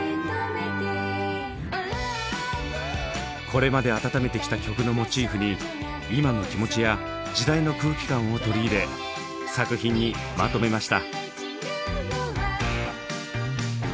これまで温めてきた曲のモチーフに今の気持ちや時代の空気感を取り入れ作品にまとめました。